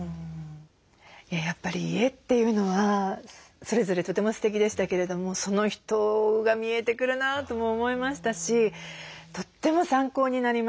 やっぱり家というのはそれぞれとてもステキでしたけれどもその人が見えてくるなとも思いましたしとっても参考になりました。